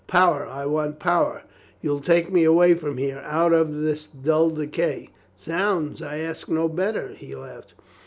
"Power, I want power. You'll take me away from here, out of this dull decay?" "Zounds, I ask no better," he laughed.